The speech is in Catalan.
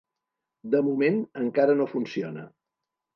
De moment, encara no funciona.